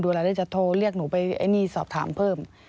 ดูอะไรได้จะโทรเรียกหนูไปสอบถามเพิ่ม